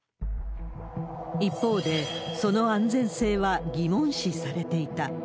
一方で、その安全性は疑問視されていた。